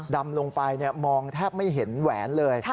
ดำลงไปมองแทบไม่เห็นแหวนเลย